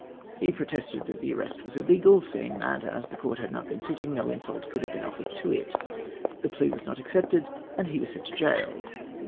He protested that the arrest was illegal, seeing that, as the court had not been sitting, no insult could have been offered to it. The plea was not accepted, and he was sent to gaol.